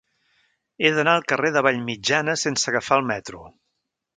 He d'anar al carrer de Vallmitjana sense agafar el metro.